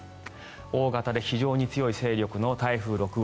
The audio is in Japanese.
大型で非常に強い勢力の台風６号